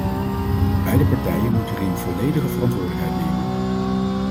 Beide partijen moeten hierin volledige verantwoordelijkheid nemen.